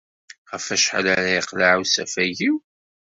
Ɣef wacḥal ara yeqleɛ usafag-iw?